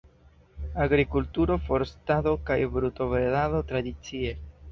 Agrikulturo, forstado kaj brutobredado tradicie.